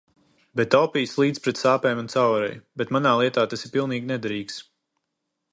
Bet opijs līdz pret sāpēm un caureju, bet manā lietā tas ir pilnīgi nederīgs.